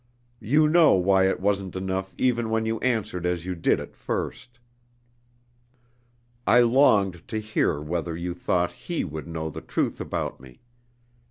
You know why it wasn't enough even when you answered as you did at first. I longed to hear whether you thought he would know the truth about me.